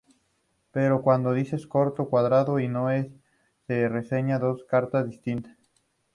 Pero cuando dices corto cuadrado y no es se enseñan dos cartas distintas.